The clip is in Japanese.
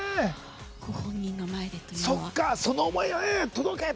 ご本人の前でというのは。